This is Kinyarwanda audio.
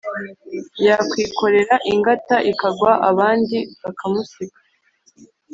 yakwikorera ingata ikagwa abandi bakamusiga,